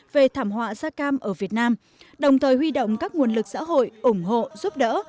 về thảm họa da cam ở việt nam đồng thời huy động các nguồn lực xã hội ủng hộ giúp đỡ